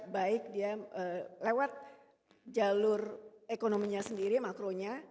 baik dia lewat jalur ekonominya sendiri makronya